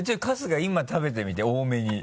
今食べてみて多めに。